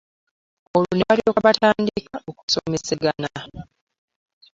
Olwo ne balyoka batandika okusomesagana.